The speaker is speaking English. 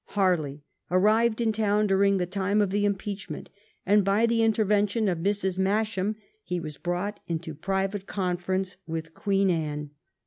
Harley arrived in town during the time of the impeachment, and by the intervention of Mrs. Masham he was brought into private conference with Queen Anne.